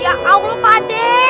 ya allah pade